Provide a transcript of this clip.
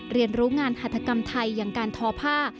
เรียนรู้งานหัฐกรรมไทยอย่างการทอผ้า